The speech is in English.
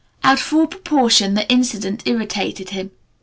Out of all proportion the incident irritated him.